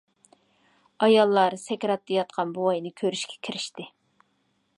ئاياللار سەكراتتا ياتقان بوۋاينى كۆرۈشكە كىرىشتى.